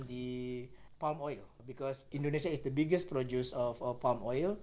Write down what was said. vì vậy indonesia là quốc gia sản xuất dầu cọ số một thế giới